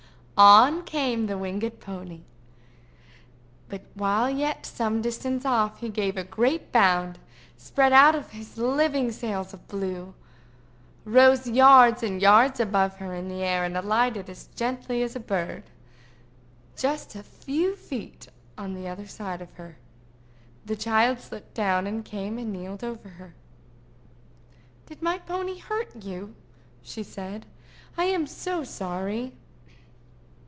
On came the winged pony. But while yet some distance off, he gave a great bound, spread out his living sails of blue, rose yards and yards above her in the air, and alighted as gently as a bird, just a few feet on the other side of her. The child slipped down and came and kneeled over her. "Did my pony hurt you?" she said. "I am so sorry!"